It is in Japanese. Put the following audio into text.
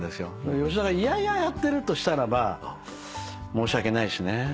吉田が嫌々やってるとしたらば申し訳ないしね。